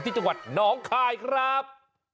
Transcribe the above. ที่จังหวัดหนองคายครับ